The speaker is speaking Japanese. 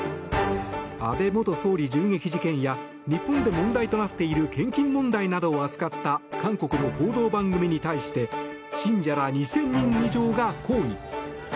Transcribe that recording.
安倍元総理銃撃事件や日本で問題となっている献金問題などを扱った韓国の報道番組に対して信者ら２０００人以上が抗議。